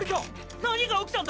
何が起きたんだ？